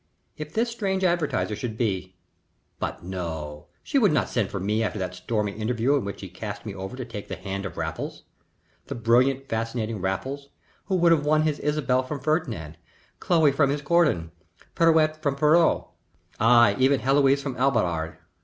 If this strange advertiser should be But no, she would not send for me after that stormy interview in which she cast me over to take the hand of Raffles: the brilliant, fascinating Raffles, who would have won his Isabella from Ferdinand, Chloe from her Corydon, Pierrette from Pierrot ay, even Heloise from Abelard.